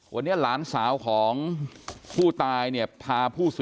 วันนี้หลานสาวของผู้ตายพาผู้